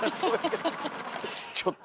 ちょっと！